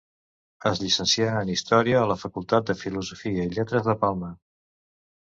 Es llicencià en història a la Facultat de Filosofia i Lletres de Palma.